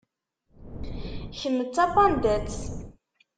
Kemm d tapandat.